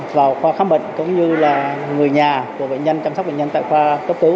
vào khoa khám bệnh cũng như là người nhà của bệnh nhân chăm sóc bệnh nhân tại khoa cấp cứu